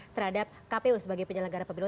terhadap kpu sebagai penyelenggara pemilu